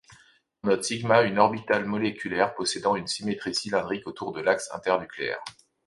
On note σ une orbitale moléculaire possédant une symétrie cylindrique autour de l'axe internucléaire.